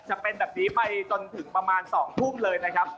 จะเป็นแบบนี้ไปจนถึงประมาณ๒ทุ่มเลยนะครับ